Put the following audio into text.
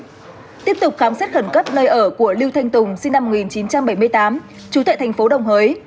tuy nhiên tiếp tục khám xét khẩn cấp nơi ở của lưu thanh tùng sinh năm một nghìn chín trăm bảy mươi tám trú tuệ tp đồng hới